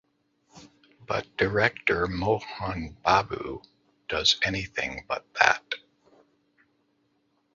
But director Mohan Babu does anything but that.